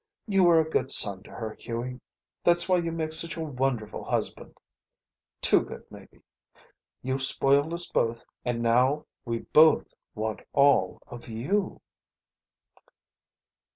You were a good son to her, Hughie. That's why you make such a wonderful husband. Too good, maybe. You've spoiled us both, and now we both want all of you."